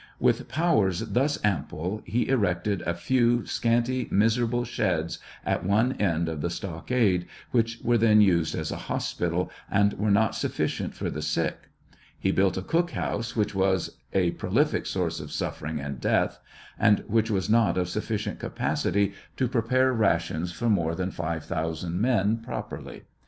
With powers thus ample he erected a few scanty, miserable sheds at one end of the stockade, which were then used as a hospital, and were not sufficient for the sick; he built a cook house which was a prolific source of suffering' and death, and which was not of sufficient capacity to prepare rations for more than 5,000 men propprly.